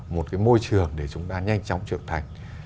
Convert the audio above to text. một cái môi trường để chúng ta nhanh chóng trưởng thành